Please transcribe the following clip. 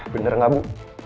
bener gak bu